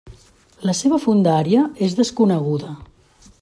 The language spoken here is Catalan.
La seva fondària és desconeguda.